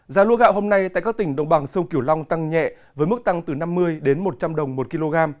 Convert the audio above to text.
giá lúa gạo hôm nay tại các tỉnh đồng bằng sông kiểu long tăng nhẹ với mức tăng từ năm mươi đến một trăm linh đồng một kg